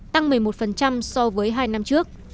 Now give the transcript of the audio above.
tăng một mươi một so với hai năm trước